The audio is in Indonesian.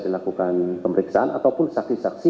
dilakukan pemeriksaan ataupun saksi saksi